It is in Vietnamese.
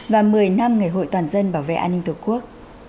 và một mươi năm ngày hội toàn dân bảo vệ an ninh tổ quốc